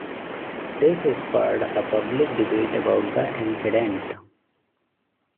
This spurred a public debate about the incident.